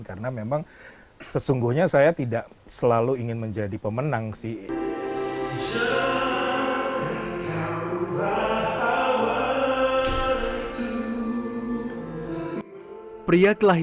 karena memang sesungguhnya saya tidak selalu ingin menjadi pemenang sih